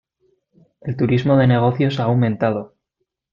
El turismo de negocios ha aumentado.